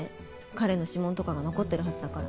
彼の指紋とかが残ってるはずだから。